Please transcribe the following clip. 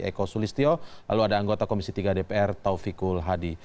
eko sulistyo lalu ada anggota komisi tiga dpr taufikul hadi